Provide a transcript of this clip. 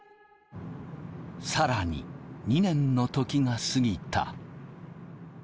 更に２年の時が過ぎた。